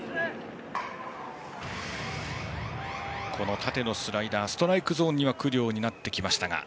縦のスライダーストライクゾーンには来るようになってきました